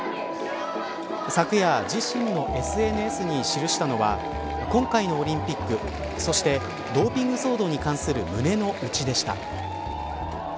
昨夜、自身のＳＮＳに記したのは今回のオリンピックそしてドーピング騒動に関する胸の内でした。